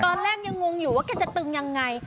ตอนแรกยังงงอยู่ว่าแกจะตึงยังไง